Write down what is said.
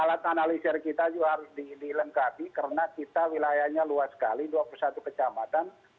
alat analisir kita juga harus dilengkapi karena kita wilayahnya luas sekali dua puluh satu kecamatan